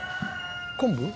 昆布？